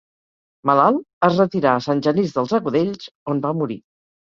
Malalt, es retirà a Sant Genís dels Agudells, on va morir.